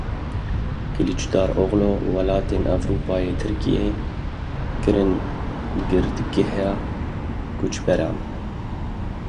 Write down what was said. Kiliçdaroglu Welatên Ewropayê Tirkiye kirine girtîgeha koçberan.